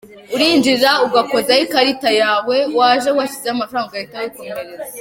Urinjira ugakozaho ikarita yawe waje washyizeho amafaranga ugahita wikomereza.